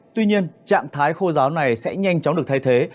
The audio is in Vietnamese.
tuy nhiên trạng thái khô giáo này sẽ nhanh chóng được thay thế